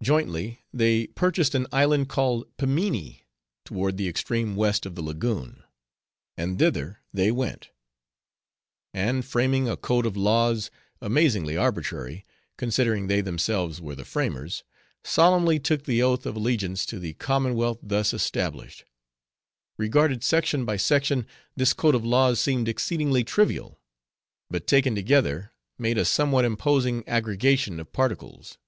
Jointly, they purchased an island, called Pimminee, toward the extreme west of the lagoon; and thither they went; and framing a code of laws amazingly arbitrary, considering they themselves were the framers— solemnly took the oath of allegiance to the commonwealth thus established. Regarded section by section, this code of laws seemed exceedingly trivial; but taken together, made a somewhat imposing aggregation of particles.